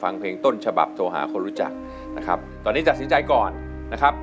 ฟังเพลงต้นฉบับโทรหาคนรู้จักนะครับตอนนี้ตัดสินใจก่อนนะครับ